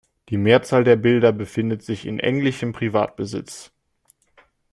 Die Mehrzahl der Bilder befindet sich in englischem Privatbesitz.